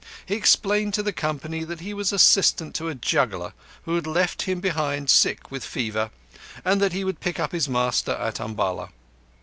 He explained to the company that he was assistant to a juggler who had left him behind sick with fever, and that he would pick up his master at Umballa.